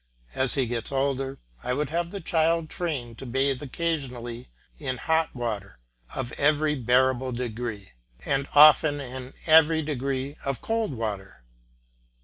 As he gets older I would have the child trained to bathe occasionally in hot water of every bearable degree, and often in every degree of cold water.